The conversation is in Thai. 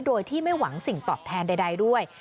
โดยที่ไม่หวังสิ่งตอบแทนใดด้วย